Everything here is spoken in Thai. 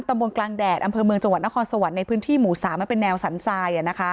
ตำบลกลางแดดอำเภอเมืองจังหวัดนครสวรรค์ในพื้นที่หมู่๓มันเป็นแนวสันทราย